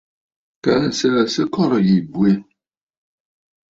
Kaa nsəə sɨ nɨ kɔ̀rə̀ yì bwɛ.